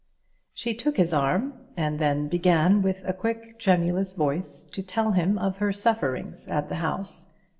She took his arm, and then began with a quick tremulous voice to tell him of her sufferings at the house.